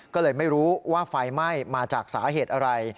ก็เลยไม่รู้ว่าไฟไหม้มาจากสาเหตุอะไร